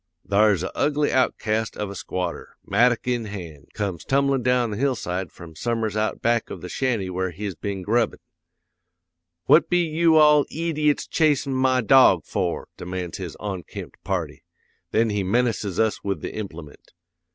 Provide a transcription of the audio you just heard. "'Thar's a ugly outcast of a squatter, mattock in hand, comes tumblin' down the hillside from some'ers out back of the shanty where he's been grubbin': "'"What be you all eediots chasin' my dog for?" demands this onkempt party. Then he menaces us with the implement.